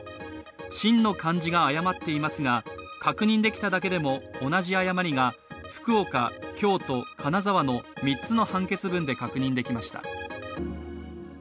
「信」の漢字が誤っていますが、確認できただけでも同じ誤りが福岡、京都、金沢の３つの判決文で確認できました。